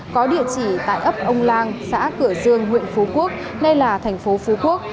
có địa chỉ tại ấp ông làng xã cửa dương huyện phú quốc đây là thành phố phú quốc